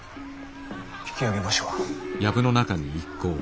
引き揚げましょう。